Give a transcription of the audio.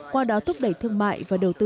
qua đó thúc đẩy thương mại